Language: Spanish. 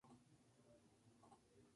En esta competición sería campeón.